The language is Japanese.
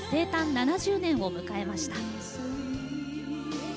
７０年を迎えました。